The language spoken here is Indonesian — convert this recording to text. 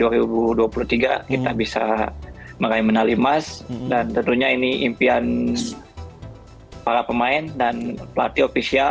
kita bisa meraih medali emas dan tentunya ini impian para pemain dan pelatih ofisial